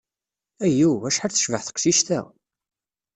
Ayuu, acḥal tecbeḥ teqcict-a!